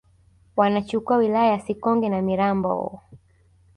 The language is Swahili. wanachukua wilaya ya Sikonge na Mirambo